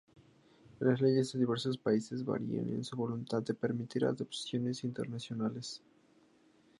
Las leyes de diversos países varían en su voluntad de permitir adopciones internacionales.